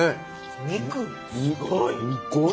肉すごい。